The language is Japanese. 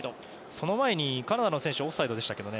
その前にカナダの選手がオフサイドでしたけどね。